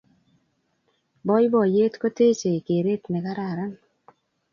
Boiboiyet kotech keret ne kararan